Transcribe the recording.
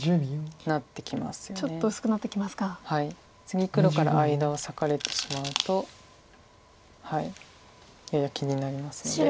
次黒から間を裂かれてしまうとやや気になりますので。